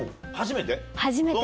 初めて？